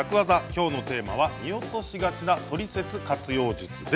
きょうのテーマは「見落としがちなトリセツ活用術」です。